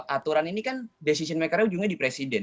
aturan ini kan decision makernya ujungnya di presiden